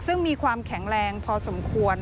ซึ่งมีความแข็งแรงพอสมควร